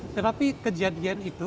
tetapi kejadian itu